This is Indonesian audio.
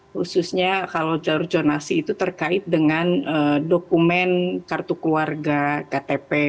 khususnya kalau jalur jonasi itu terkait dengan dokumen kartu keluarga ktp